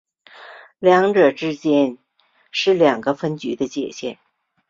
二者之间是两个分局的界线。